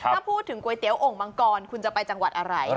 ถ้าพูดถึงก๋วยเตี๋ยโอ่งมังกรคุณจะไปจังหวัดอะไร